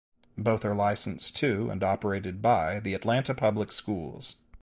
Both are licensed to and operated by the Atlanta Public Schools.